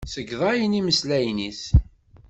Segḍayen imeslayen-is.